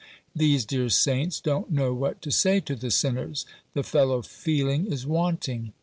These dear saints don't know what to say to the sinners. The fellow feeling is wanting.